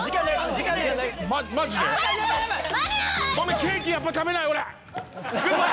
ケーキやっぱ食べない俺。